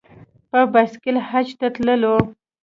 په بایسکل حج ته تللو.